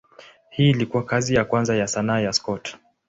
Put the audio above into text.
Hii ilikuwa kazi ya kwanza ya sanaa ya Scott.